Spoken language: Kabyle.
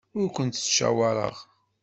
Ur kent-ttcawaṛeɣ.